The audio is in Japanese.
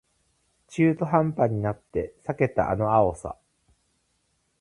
中途半端になって避けたあの青さ